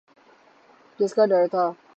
جس کا ڈر تھا۔